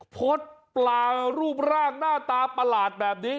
โพสต์ปลารูปร่างหน้าตาประหลาดแบบนี้